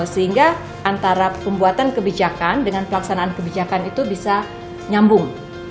sehingga antara pembuatan kebijakan dengan pelaksanaan kebijakan itu bisa nyambung